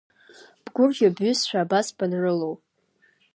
Бгәырӷьо бҩызцәа абас банрылоу.